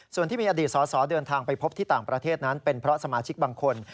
ส่วนที่มีอดีตสอสอเดินทางไปพบที่ต่างประเทศนั้นเป็นเพราะสมาชิกบางคน